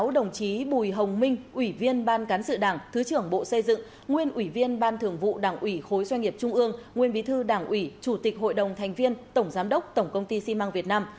đồng chí bùi hồng minh ủy viên ban cán sự đảng thứ trưởng bộ xây dựng nguyên ủy viên ban thường vụ đảng ủy khối doanh nghiệp trung ương nguyên bí thư đảng ủy chủ tịch hội đồng thành viên tổng giám đốc tổng công ty xi măng việt nam